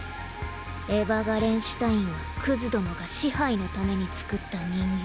エヴァ・ガレンシュタインはクズどもが支配のために作った人形。